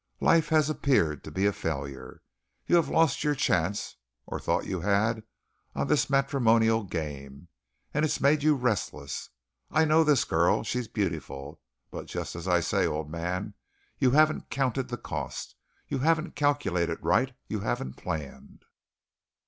Life has appeared to be a failure. You have lost your chance, or thought you had on this matrimonial game, and it's made you restless. I know this girl. She's beautiful. But just as I say, old man, you haven't counted the cost you haven't calculated right you haven't planned.